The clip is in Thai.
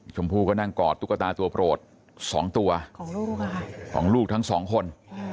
ชมพู่ก็นั่งกอดตุ๊กตาตัวโปรด๒ตัวของลูกของลูกทั้งสองคน